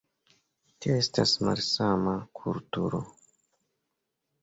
Tio estas malsama kulturo.